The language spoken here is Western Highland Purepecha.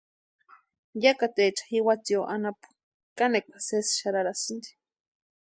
Yakateecha jiwatsio anapu kanekwa sésï xarharasïnti.